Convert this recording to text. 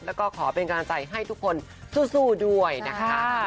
แล้วก็ขอเป็นกำลังใจให้ทุกคนสู้ด้วยนะคะ